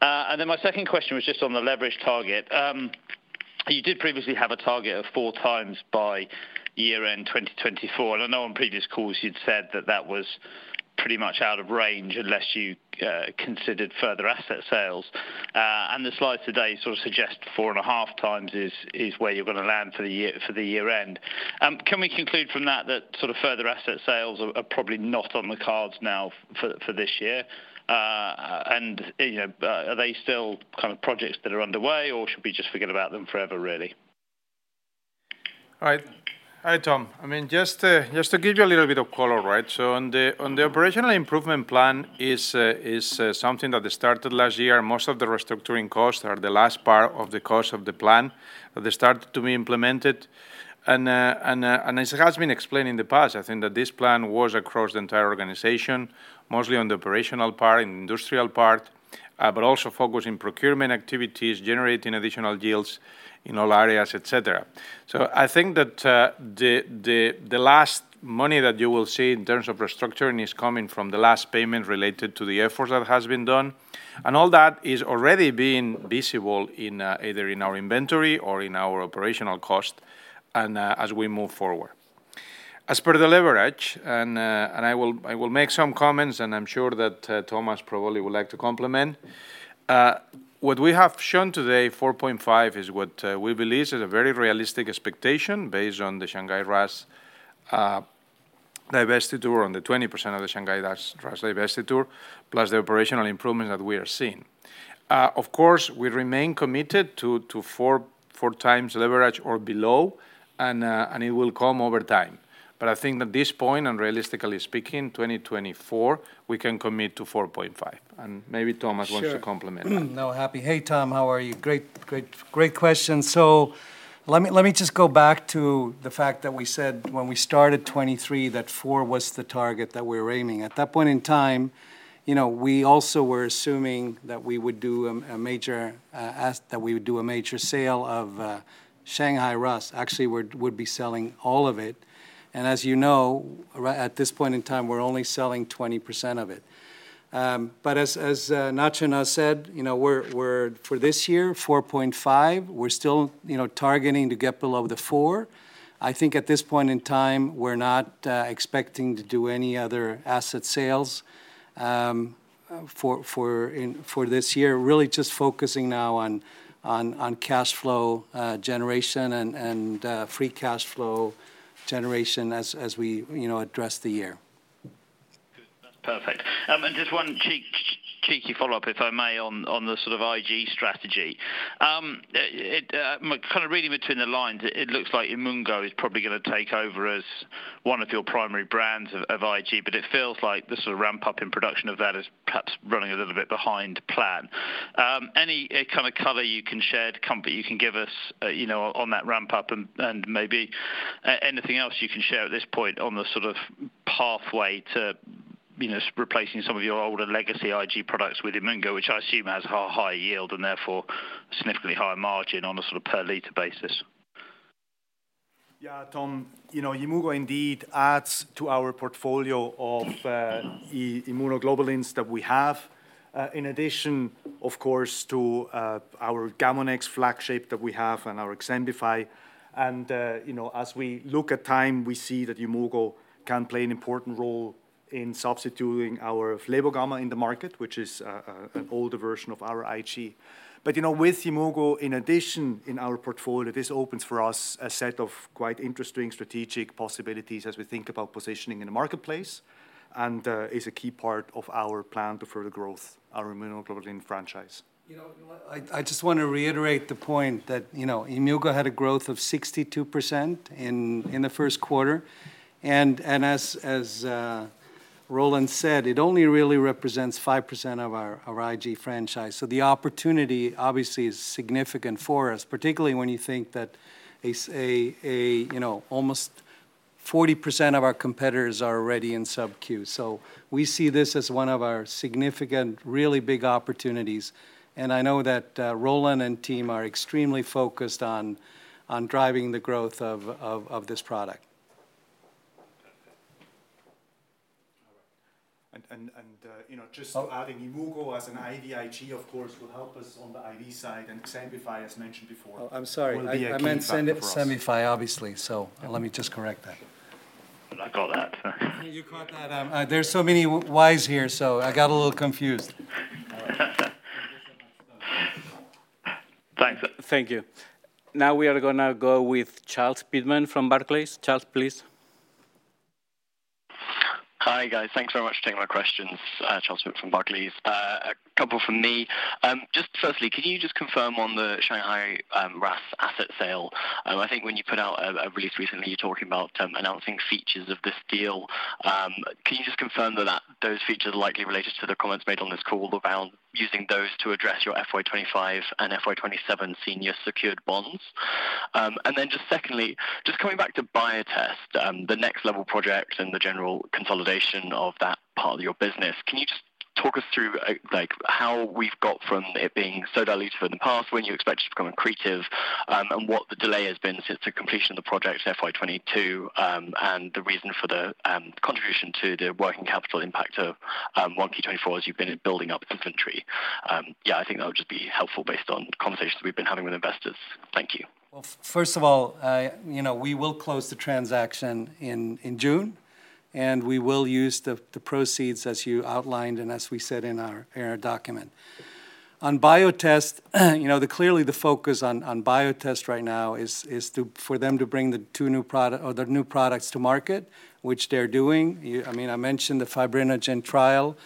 And then my second question was just on the leverage target. You did previously have a target of 4x by year-end 2024, and I know on previous calls, you'd said that that was pretty much out of range unless you considered further asset sales. The slides today sort of suggest 4.5x is where you're going to land for the year-end. Can we conclude from that that sort of further asset sales are probably not on the cards now for this year? Are they still kind of projects that are underway, or should we just forget about them forever, really? All right. Hi, Tom. I mean, just to give you a little bit of color, right? So on the operational improvement plan, it's something that started last year. Most of the restructuring costs are the last part of the cost of the plan that started to be implemented. And it has been explained in the past. I think that this plan was across the entire organization, mostly on the operational part, in the industrial part, but also focused in procurement activities, generating additional yields in all areas, etc. So I think that the last money that you will see in terms of restructuring is coming from the last payment related to the efforts that has been done, and all that is already being visible either in our inventory or in our operational cost as we move forward. As per the leverage, and I will make some comments, and I'm sure that Thomas probably would like to comment, what we have shown today, 4.5, is what we believe is a very realistic expectation based on the Shanghai RAAS divestiture on the 20% of the Shanghai RAAS divestiture plus the operational improvements that we are seeing. Of course, we remain committed to 4x leverage or below, and it will come over time. But I think at this point, and realistically speaking, 2024, we can commit to 4.5. And maybe Thomas wants to comment that. Sure. No, happy. Hey, Tom, how are you? Great question. So let me just go back to the fact that we said when we started 2023 that four was the target that we were aiming. At that point in time, we also were assuming that we would do a major that we would do a major sale of Shanghai RAAS. Actually, we would be selling all of it. And as you know, at this point in time, we're only selling 20% of it. But as Nacho and I said, for this year, 4.5, we're still targeting to get below the four. I think at this point in time, we're not expecting to do any other asset sales for this year, really just focusing now on cash flow generation and free cash flow generation as we address the year. Good. That's perfect. And just one cheeky follow-up, if I may, on the sort of IG strategy. Kind of reading between the lines, it looks like Yimmugo is probably going to take over as one of your primary brands of IG, but it feels like the sort of ramp-up in production of that is perhaps running a little bit behind plan. Any kind of color you can share, comment you can give us on that ramp-up, and maybe anything else you can share at this point on the sort of pathway to replacing some of your older legacy IG products with Yimmugo, which I assume has a higher yield and therefore a significantly higher margin on a sort of per-liter basis? Yeah, Tom, Yimmugo indeed adds to our portfolio of immunoglobulins that we have, in addition, of course, to our Gamunex flagship that we have and our Xembify. And as we look at time, we see that Yimmugo can play an important role in substituting our Flebogamma in the market, which is an older version of our IG. But with Yimmugo in addition in our portfolio, this opens for us a set of quite interesting strategic possibilities as we think about positioning in the marketplace and is a key part of our plan to further growth, our immunoglobulin franchise. I just want to reiterate the point that Xembify had a growth of 62% in the first quarter. As Roland said, it only really represents 5% of our IG franchise. The opportunity obviously is significant for us, particularly when you think that almost 40% of our competitors are already in sub-Q. We see this as one of our significant, really big opportunities. I know that Roland and team are extremely focused on driving the growth of this product. All right. And just adding Yimmugo as an IVIG, of course, will help us on the IV side. And Xembify, as mentioned before. Oh, I'm sorry. I meant Xembify, obviously. So let me just correct that. But I caught that. You caught that. There's so many Ys here, so I got a little confused. Thanks. Thank you. Now, we are going to go with Charles Pitman from Barclays. Charles, please. Hi, guys. Thanks very much for taking my questions. Charles Pitman from Barclays. A couple from me. Just firstly, can you just confirm on the Shanghai RAAS asset sale? I think when you put out a release recently, you're talking about announcing features of this deal. Can you just confirm that those features are likely related to the comments made on this call around using those to address your FY25 and FY27 senior secured bonds? And then just secondly, just coming back to Biotest, the next-level project and the general consolidation of that part of your business, can you just talk us through how we've got from it being so diluted in the past when you expected to become incremental, and what the delay has been since the completion of the project, FY22, and the reason for the contribution to the working capital impact of 1Q24 as you've been building up inventory? Yeah, I think that would just be helpful based on conversations we've been having with investors. Thank you. Well, first of all, we will close the transaction in June, and we will use the proceeds as you outlined and as we said in our document. On Biotest, clearly, the focus on Biotest right now is for them to bring the two new products or the new products to market, which they're doing. I mean, I mentioned the fibrinogen trial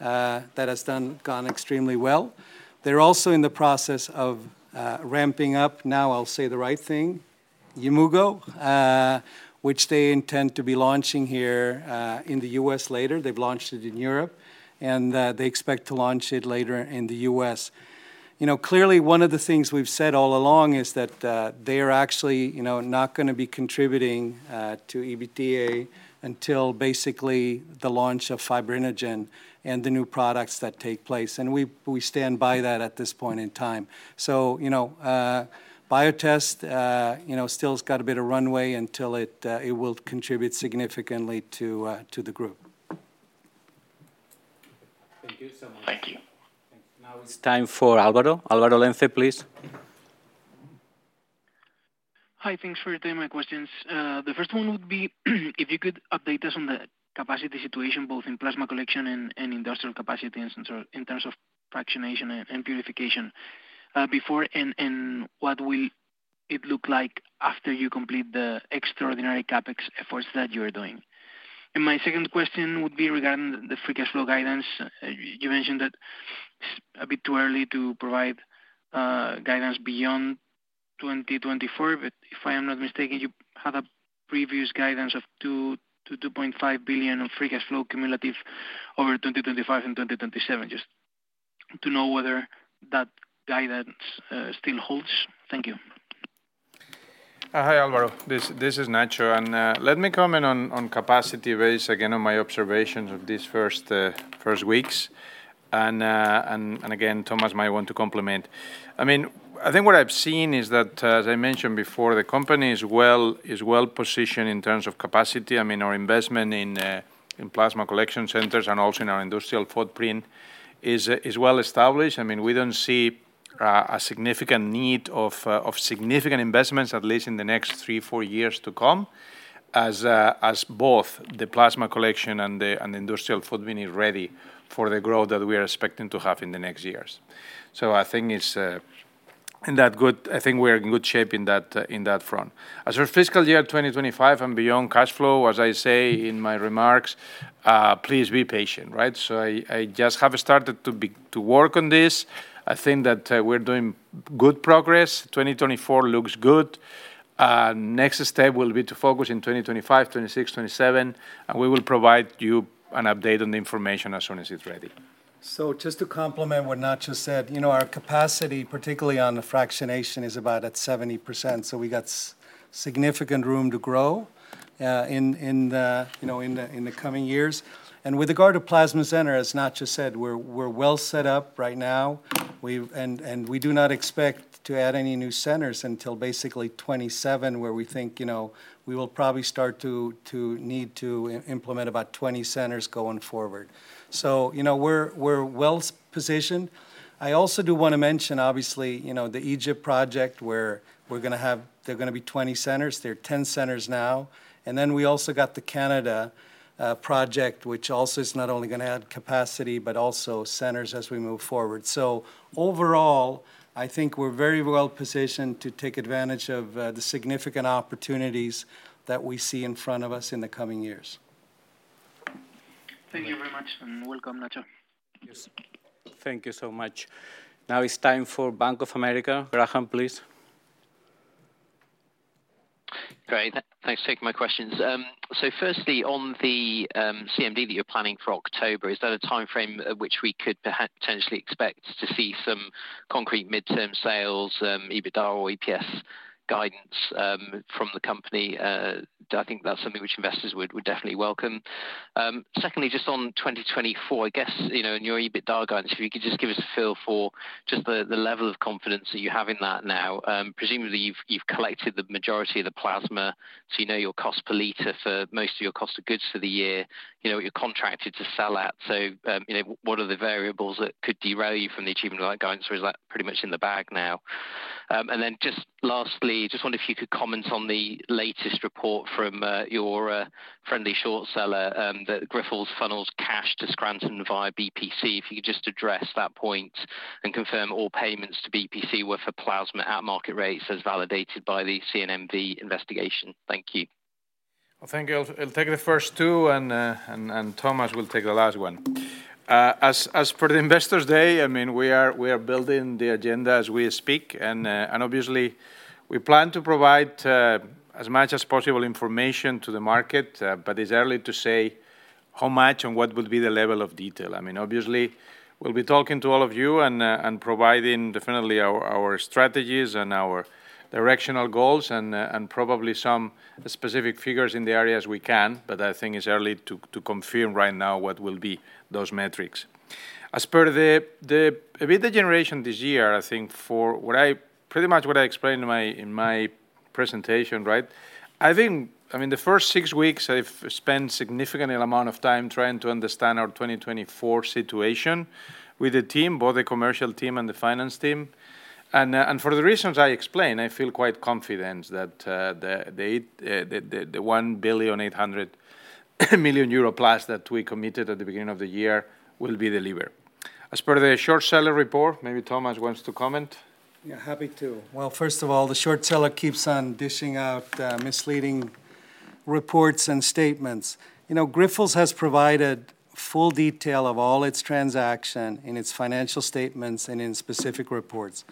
that has gone extremely well. They're also in the process of ramping up, now I'll say the right thing, Yimmugo, which they intend to be launching here in the U.S. later. They've launched it in Europe, and they expect to launch it later in the U.S. Clearly, one of the things we've said all along is that they are actually not going to be contributing to EBITDA until basically the launch of fibrinogen and the new products that take place. We stand by that at this point in time. Biotest still has got a bit of runway until it will contribute significantly to the group. Thank you so much. Now, it's time for Álvaro. Álvaro Lenze, please. Hi. Thanks for taking my questions. The first one would be if you could update us on the capacity situation both in plasma collection and industrial capacity in terms of fractionation and purification before and what will it look like after you complete the extraordinary CapEx efforts that you are doing. My second question would be regarding the free cash flow guidance. You mentioned that it's a bit too early to provide guidance beyond 2024, but if I am not mistaken, you had a previous guidance of 2 billion-2.5 billion of free cash flow cumulative over 2025 and 2027, just to know whether that guidance still holds. Thank you. Hi, Álvaro. This is Nacho. Let me comment on capacity-based, again, on my observations of these first weeks. Again, Thomas might want to comment. I mean, I think what I've seen is that, as I mentioned before, the company is well positioned in terms of capacity. I mean, our investment in plasma collection centers and also in our industrial footprint is well established. I mean, we don't see a significant need of significant investments, at least in the next three, four years to come, as both the plasma collection and the industrial footprint is ready for the growth that we are expecting to have in the next years. So I think it's in that good I think we're in good shape in that front. As for fiscal year 2025 and beyond, cash flow, as I say in my remarks, please be patient, right? So I just have started to work on this. I think that we're doing good progress. 2024 looks good. Next step will be to focus in 2025, 2026, 2027, and we will provide you an update on the information as soon as it's ready. So just to complement what Nacho said, our capacity, particularly on fractionation, is about at 70%. So we got significant room to grow in the coming years. And with regard to plasma center, as Nacho said, we're well set up right now, and we do not expect to add any new centers until basically 2027, where we think we will probably start to need to implement about 20 centers going forward. So we're well positioned. I also do want to mention, obviously, the Egypt project, where they're going to be 20 centers. There are 10 centers now. And then we also got the Canada project, which also is not only going to add capacity but also centers as we move forward. So overall, I think we're very well positioned to take advantage of the significant opportunities that we see in front of us in the coming years. Thank you very much, and welcome, Nacho. Yes. Thank you so much. Now, it's time for Bank of America. Graham, please. Great. Thanks for taking my questions. So firstly, on the CMD that you're planning for October, is that a timeframe at which we could potentially expect to see some concrete midterm sales, EBITDA or EPS guidance from the company? I think that's something which investors would definitely welcome. Secondly, just on 2024, I guess, in your EBITDA guidance, if you could just give us a feel for just the level of confidence that you have in that now. Presumably, you've collected the majority of the plasma, so you know your cost per liter for most of your cost of goods for the year, what you're contracted to sell at. So what are the variables that could derail you from the achievement of that guidance, or is that pretty much in the bag now? And then just lastly, I just wonder if you could comment on the latest report from your friendly short seller that Grifols funnels cash to Scranton via BPC. If you could just address that point and confirm all payments to BPC were for plasma at market rates as validated by the CNMV investigation. Thank you. Well, thank you. I'll take the first two, and Thomas will take the last one. As for the Investors' Day, I mean, we are building the agenda as we speak. And obviously, we plan to provide as much as possible information to the market, but it's early to say how much and what would be the level of detail. I mean, obviously, we'll be talking to all of you and providing definitely our strategies and our directional goals and probably some specific figures in the area as we can, but I think it's early to confirm right now what will be those metrics. As per the EBITDA generation this year, I think pretty much what I explained in my presentation, right? I think, I mean, the first six weeks, I've spent a significant amount of time trying to understand our 2024 situation with the team, both the commercial team and the finance team. And for the reasons I explained, I feel quite confident that the 1.8 billion plus that we committed at the beginning of the year will be delivered. As per the short seller report, maybe Thomas wants to comment. Yeah, happy to. Well, first of all, the short seller keeps on dishing out misleading reports and statements. Grifols has provided full detail of all its transactions in its financial statements and in specific reports.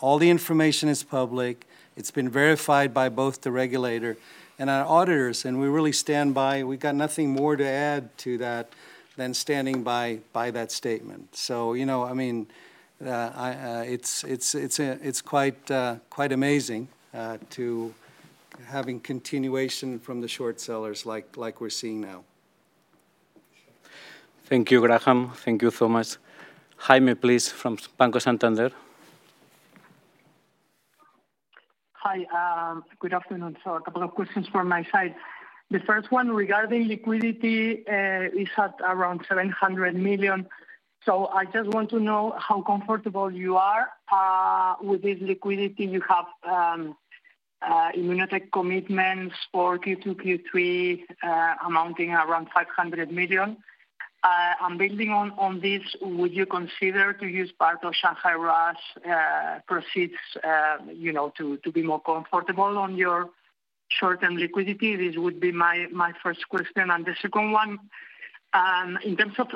All the information is public. It's been verified by both the regulator and our auditors, and we really stand by. We've got nothing more to add to that than standing by that statement. So, I mean, it's quite amazing to have continuation from the short sellers like we're seeing now. Thank you, Graham. Thank you so much. Jaime, please, from Banco Santander. Hi. Good afternoon. So a couple of questions from my side. The first one regarding liquidity is at around 700 million. So I just want to know how comfortable you are with this liquidity. You have ImmunoTek commitments for Q2, Q3 amounting around 500 million. And building on this, would you consider to use part of Shanghai RAAS proceeds to be more comfortable on your short-term liquidity? This would be my first question. And the second one, in terms of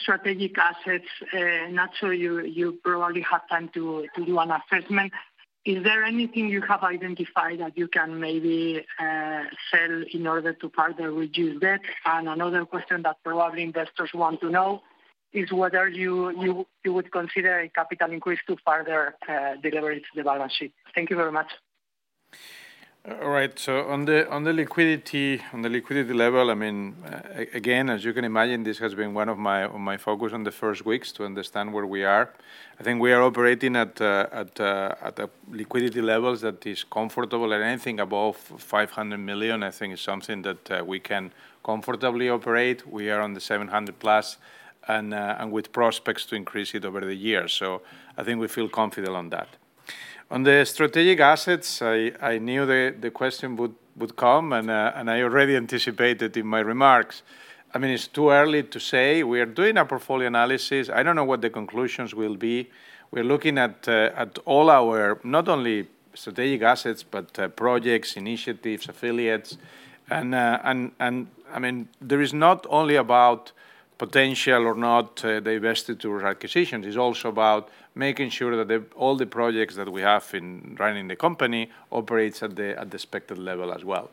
strategic assets, Nacho, you probably have time to do an assessment. Is there anything you have identified that you can maybe sell in order to further reduce debt? And another question that probably investors want to know is whether you would consider a capital increase to further deliver it to the balance sheet. Thank you very much. All right. On the liquidity level, I mean, again, as you can imagine, this has been one of my focuses in the first weeks to understand where we are. I think we are operating at liquidity levels that are comfortable. Anything above 500 million, I think, is something that we can comfortably operate. We are at 700+ and with prospects to increase it over the year. So I think we feel confident on that. On the strategic assets, I knew the question would come, and I already anticipated in my remarks. I mean, it's too early to say. We are doing a portfolio analysis. I don't know what the conclusions will be. We're looking at all our not only strategic assets but projects, initiatives, affiliates. And I mean, there is not only about potential or not the investors' acquisitions. It's also about making sure that all the projects that we have running the company operate at the expected level as well.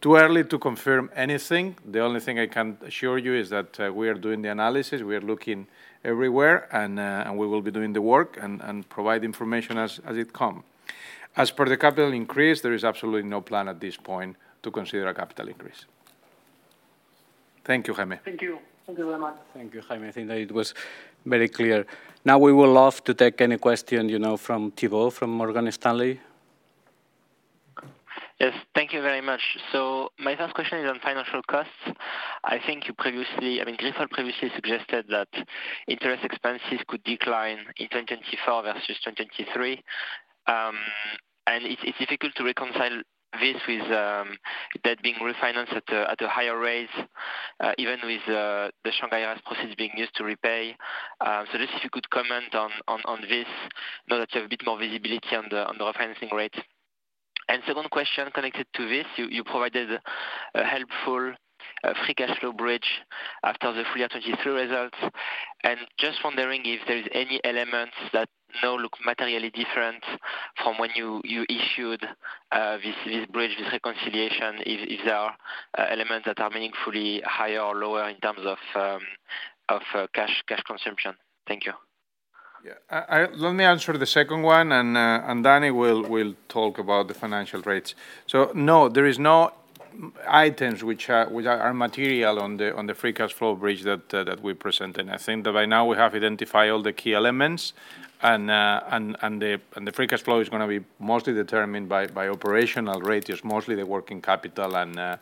Too early to confirm anything. The only thing I can assure you is that we are doing the analysis. We are looking everywhere, and we will be doing the work and provide information as it comes. As per the capital increase, there is absolutely no plan at this point to consider a capital increase. Thank you, Jaime. Thank you. Thank you very much. Thank you, Jaime. I think that it was very clear. Now, we would love to take any question from Thibault, from Morgan Stanley. Yes. Thank you very much. So my first question is on financial costs. I think you previously, I mean, Grifols previously suggested that interest expenses could decline in 2024 versus 2023. And it's difficult to reconcile this with debt being refinanced at a higher rate, even with the Shanghai RAAS proceeds being used to repay. So just if you could comment on this, now that you have a bit more visibility on the refinancing rates. And second question connected to this, you provided a helpful free cash flow bridge after the FY 2023 results. And just wondering if there are any elements that now look materially different from when you issued this bridge, this reconciliation, if there are elements that are meaningfully higher or lower in terms of cash consumption. Thank you. Yeah. Let me answer the second one, and Danny will talk about the financial ratios. So no, there are no items which are material on the free cash flow bridge that we presented. I think that by now, we have identified all the key elements, and the free cash flow is going to be mostly determined by operational ratios, mostly the working capital and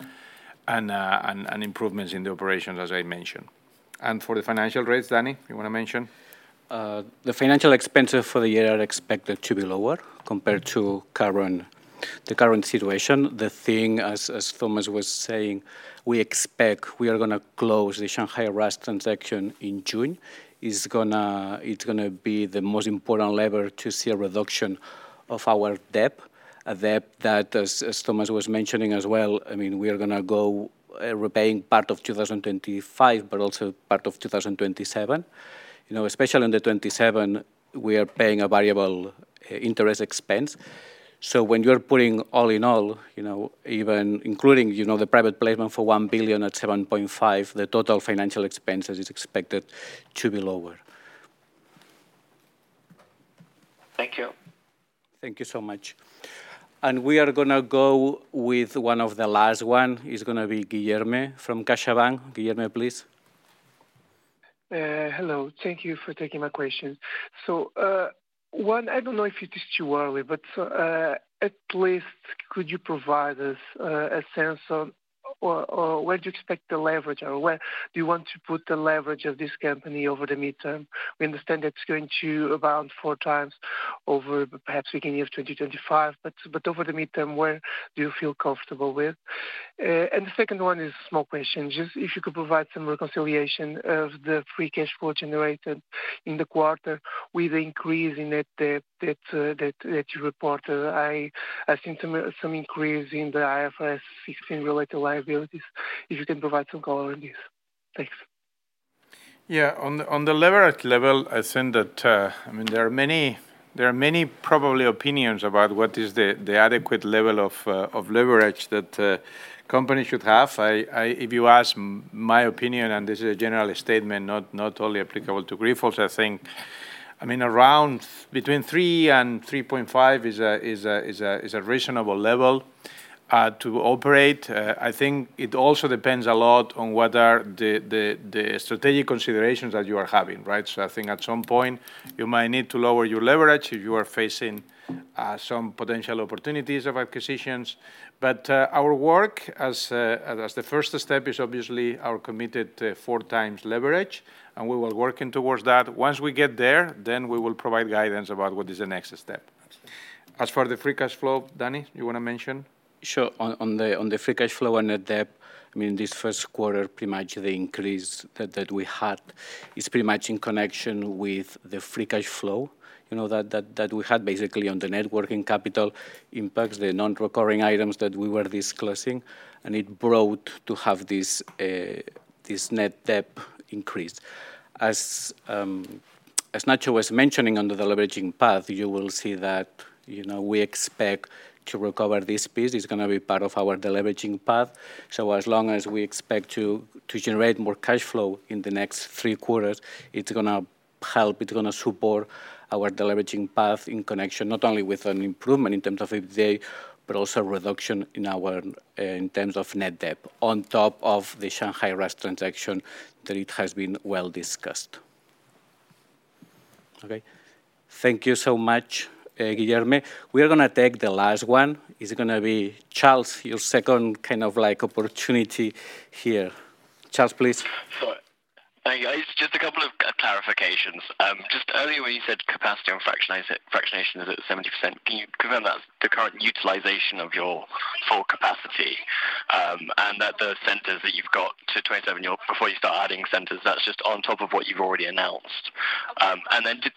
improvements in the operations, as I mentioned. For the financial ratios, Danny, you want to mention? The financial expenses for the year are expected to be lower compared to the current situation. The thing, as Thomas was saying, we expect we are going to close the Shanghai RAAS transaction in June. It's going to be the most important lever to see a reduction of our debt, a debt that, as Thomas was mentioning as well, I mean, we are going to go repaying part of 2025 but also part of 2027. Especially on the 2027, we are paying a variable interest expense. So when you are putting all in all, even including the private placement for 1 billion at 7.5%, the total financial expenses are expected to be lower. Thank you. Thank you so much. We are going to go with one of the last one. It's going to be Guilherme from CaixaBank. Guilherme, please. Hello. Thank you for taking my question. So, one, I don't know if you touched too early, but at least could you provide us a sense of where do you expect the leverage or where do you want to put the leverage of this company over the midterm? We understand that it's going to be around 4x over perhaps beginning of 2025, but over the midterm, where do you feel comfortable with? And the second one is a small question, just if you could provide some reconciliation of the free cash flow generated in the quarter with the increase in that debt that you reported. I see some increase in the IFRS 16-related liabilities. If you can provide some color on this. Thanks. Yeah. On the leverage level, I think that, I mean, there are many probably opinions about what is the adequate level of leverage that companies should have. If you ask my opinion, and this is a general statement, not only applicable to Grifols, I think, I mean, between 3-3.5 is a reasonable level to operate. I think it also depends a lot on what are the strategic considerations that you are having, right? So I think at some point, you might need to lower your leverage if you are facing some potential opportunities of acquisitions. But our work, as the first step, is obviously our committed 4x leverage, and we will be working towards that. Once we get there, then we will provide guidance about what is the next step. As for the free cash flow, Danny, you want to mention? Sure. On the Free Cash Flow and the debt, I mean, this first quarter, pretty much the increase that we had is pretty much in connection with the Free Cash Flow that we had basically on the Net Working Capital, impacts the non-recurring items that we were disclosing, and it brought to have this net debt increase. As Nacho was mentioning on the deleveraging path, you will see that we expect to recover this piece. It's going to be part of our deleveraging path. So as long as we expect to generate more cash flow in the next three quarters, it's going to help, it's going to support our deleveraging path in connection not only with an improvement in terms of EBITDA but also a reduction in terms of net debt on top of the Shanghai RAAS transaction that has been well discussed. Okay? Thank you so much, Guilherme. We are going to take the last one. It's going to be Charles, your second kind of opportunity here. Charles, please. Sure. Thank you. Just a couple of clarifications. Just earlier, when you said capacity on fractionation is at 70%, can you confirm that's the current utilization of your full capacity and that the centers that you've got to 2027, before you start adding centers, that's just on top of what you've already announced? And then did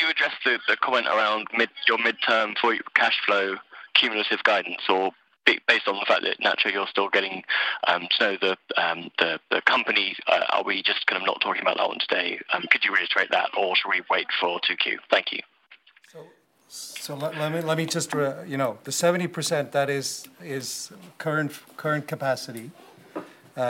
you address the comment around your midterm cash flow cumulative guidance, or based on the fact that, Nacho, you're still getting to know the companies? Are we just kind of not talking about that one today? Could you reiterate that, or should we wait for 2Q? Thank you. So let me just the 70%, that is current capacity,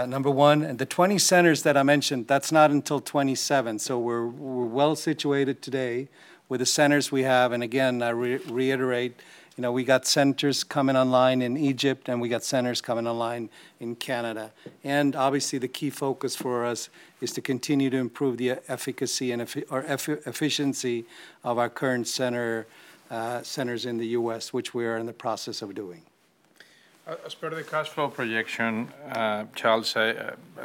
number one. And the 20 centers that I mentioned, that's not until 2027. So we're well situated today with the centers we have. And again, I reiterate, we got centers coming online in Egypt, and we got centers coming online in Canada. And obviously, the key focus for us is to continue to improve the efficacy or efficiency of our current centers in the U.S., which we are in the process of doing. As per the cash flow projection, Charles, I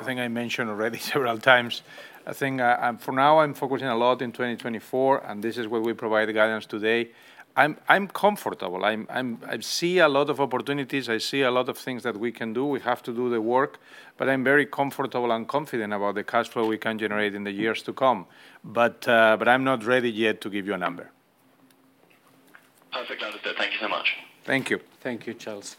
think I mentioned already several times, I think for now, I'm focusing a lot in 2024, and this is where we provide guidance today. I'm comfortable. I see a lot of opportunities. I see a lot of things that we can do. We have to do the work, but I'm very comfortable and confident about the cash flow we can generate in the years to come. But I'm not ready yet to give you a number. Perfect. Thank you so much. Thank you. Thank you, Charles.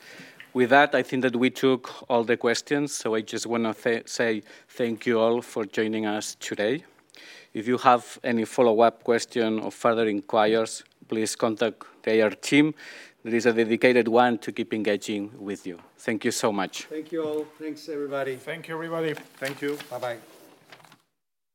With that, I think that we took all the questions. So I just want to say thank you all for joining us today. If you have any follow-up question or further inquiries, please contact the AR team. There is a dedicated one to keep engaging with you. Thank you so much. Thank you all. Thanks, everybody. Thank you, everybody. Thank you. Bye-bye.